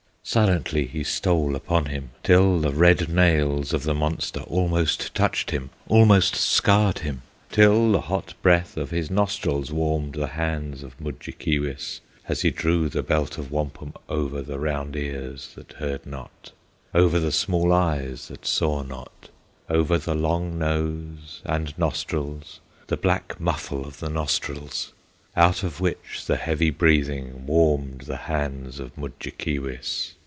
Silently he stole upon him Till the red nails of the monster Almost touched him, almost scared him, Till the hot breath of his nostrils Warmed the hands of Mudjekeewis, As he drew the Belt of Wampum Over the round ears, that heard not, Over the small eyes, that saw not, Over the long nose and nostrils, The black muffle of the nostrils, Out of which the heavy breathing Warmed the hands of Mudjekeewis.